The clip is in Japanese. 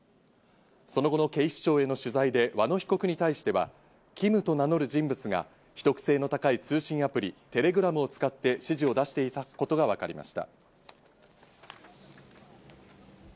その後の警視庁への取材で、和野被告に対してはＫＩＭと名乗る人物が、秘匿性の高い通信アプリ・テレグラムを使って指示を出していたことがわかりました。